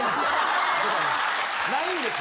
ないんです。